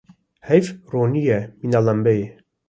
Heyv ronî ye mîna lembeyê.